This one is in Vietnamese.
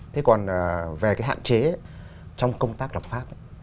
thế còn về cái hạn chế trong công tác lập pháp